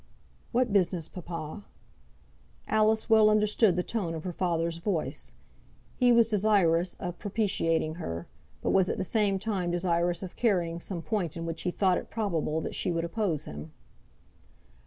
"What business, papa?" Alice well understood the tone of her father's voice. He was desirous of propitiating her; but was at the same time desirous of carrying some point in which he thought it probable that she would oppose him.